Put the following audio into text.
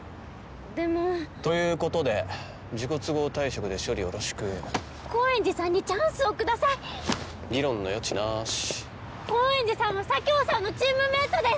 でもということで自己都合退職で処理よろしく高円寺さんにチャンスをください議論の余地なーし高円寺さんは佐京さんのチームメートです！